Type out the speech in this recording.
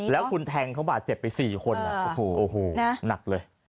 แล้วคุณแทงเขาบาดเจ็บไป๔คนโอ้โหหนักเลย